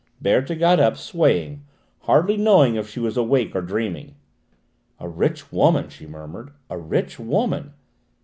Berthe got up, swaying, hardly knowing if she was awake or dreaming. "A rich woman!" she murmured. "A rich woman!"